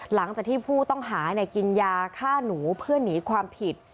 หลังจากที่ผู้ต้องหากินยาฆ่าหนูเพื่อหนีความผิด